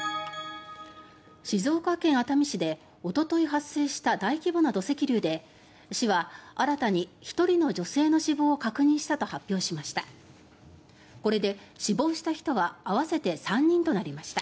静岡県熱海市でおととい発生した大規模な土石流で市は新たに１人の女性の死亡を確認したと発表しました。